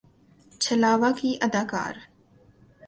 چھلاوہ کی اداکار